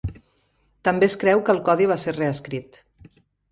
També es creu que el codi va ser reescrit.